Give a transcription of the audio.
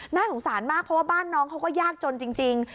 น่าสงสารมากเพราะว่าบ้านน้องเขาก็ยากจนจริง